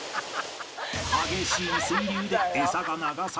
激しい水流でエサが流されてしまう